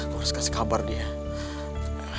gue harus kasih kabar dia